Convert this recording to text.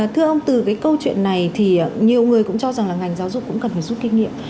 thưa ông từ cái câu chuyện này thì nhiều người cũng cho rằng là ngành giáo dục cũng cần phải rút kinh nghiệm